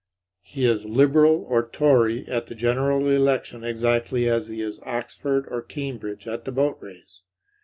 He is Liberal or Tory at the general election exactly as he is Oxford or Cambridge at the boat race.